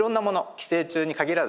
寄生虫に限らずですね